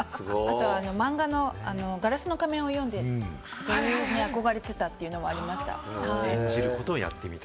あとマンガの『ガラスの仮面』を読んでいて、女優に憧れていたというのもありました。